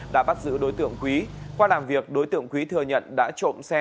đã bắt giữ đối tượng quý qua làm việc đối tượng quý thừa nhận đã trộm xe